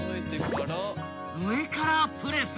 ［上からプレス］